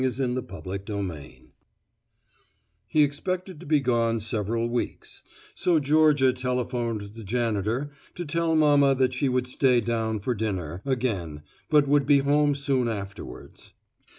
XVI GEORGIA LEAVES HOME He expected to be gone several weeks, so Georgia telephoned the janitor to tell mama that she would stay down for dinner, again, but would be home soon afterwards.